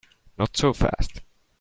Not so fast.